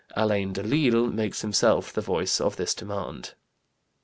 Alain de Lille makes himself the voice of this demand.